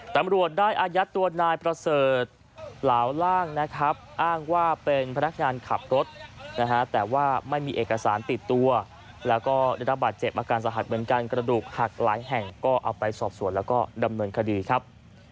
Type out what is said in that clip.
ตำรวจได้อายัดตัวนายประเสริฐเหลาล่างนะครับอ้างว่าเป็นพนักงานขับรถนะฮะแต่ว่าไม่มีเอกสารติดตัวแล้วก็ได้รับบาดเจ็บอาการสหัสเหมือนกันกระดูกหักหลายแห่งก็เอาไปสอบสวนแล้วก็ดำเนินคดีครับ